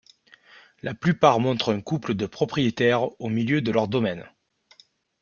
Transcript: La plupart montre un couple de propriétaires au milieu de leur domaine.